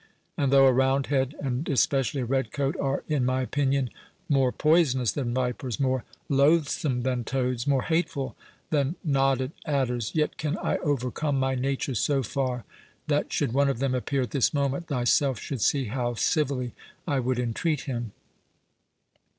and though a roundhead, and especially a red coat, are in my opinion more poisonous than vipers, more loathsome than toads, more hateful than knotted adders, yet can I overcome my nature so far, that should one of them appear at this moment, thyself should see how civilly I would entreat him."